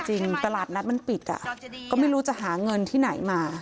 ตลาดนัดมันปิดก็ไม่รู้จะหาเงินที่ไหนมา